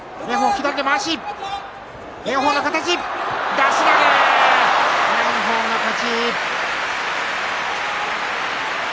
出し投げ、炎鵬の勝ち。